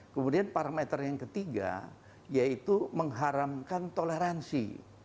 kemudian parameter yang ketiga yaitu mengharamkan toleransi